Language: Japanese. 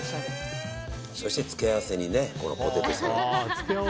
そして付け合わせにポテトサラダを。